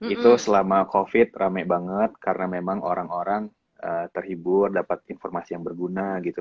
itu selama covid rame banget karena memang orang orang terhibur dapat informasi yang berguna gitu